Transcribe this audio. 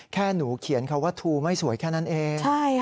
แค่หนูเขียนคำว่าทูไม่สวยแค่นั้นเอง